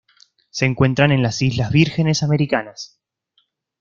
Se encuentran en las Islas Vírgenes Americanas.